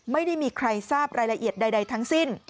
ไม่มีใครทราบรายละเอียดใดทั้งสิ้น